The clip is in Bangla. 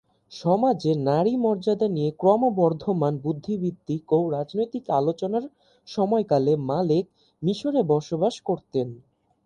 সমাজে নারীর মর্যাদা নিয়ে ক্রমবর্ধমান বুদ্ধিবৃত্তিক ও রাজনৈতিক আলোচনার সময়কালে মালেক মিশরে বসবাস করতেন।